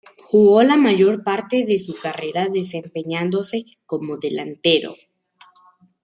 Jugó la mayor parte de su carrera desempeñándose como delantero.